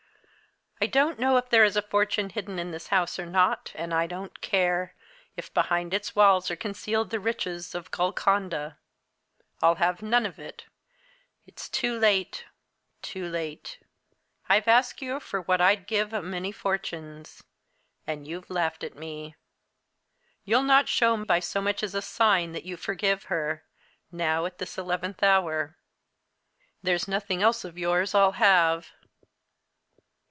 I don't know if there is a fortune hidden in this house or not, and I don't care if behind its walls are concealed the riches of Golconda. I'll have none of it it's too late! too late! I've asked you for what I'd give a many fortunes, and you've laughed at me. You'll not show, by so much as a sign, that you forgive her now, at this eleventh hour. There's nothing else of yours I'll have."